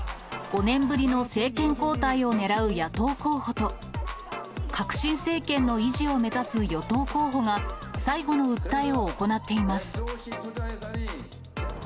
５年ぶりの政権交代をねらう野党候補と、革新政権の維持を目指す与党候補が、最後の訴えを行っています。